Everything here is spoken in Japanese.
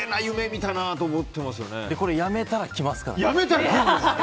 やめたら来ますからね。